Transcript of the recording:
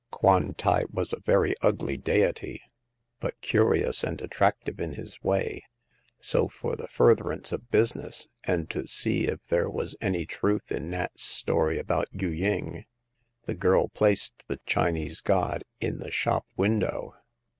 Kwan tai was a. very ugly deity, but curious and attractive in his way ; so, for the furtherance of business, and to see if there was any truth in Nat's story about Yu ying, the girl placed the Chinese god in the shop window.